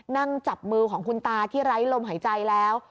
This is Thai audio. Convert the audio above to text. นั่งจับมือของคุณตาที่ไร้ลมหายใจแล้ว